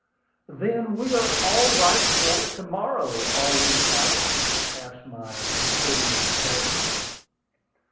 "Then we are all right for to morrow, are we, Alick?" asked my facetious cousin.